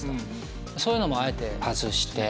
そういうのもあえて外して。